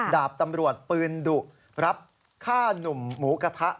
ดาบตำรวจปืนดุรับฆ่าหนุ่มหมูกระทะ